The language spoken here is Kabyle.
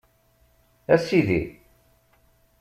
A Sidi!